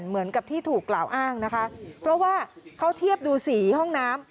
เหมือนกับที่ถูกกล่าวอ้างนะคะเพราะว่าเขาเทียบดูสีห้องน้ำ